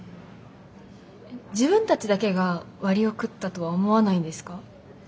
自分たちだけが割を食ったとは思わないんですか？